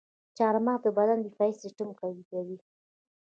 چارمغز د بدن دفاعي سیستم قوي کوي.